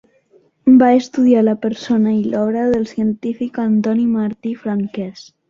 Va estudiar la persona i l'obra del científic Antoni Martí i Franquès.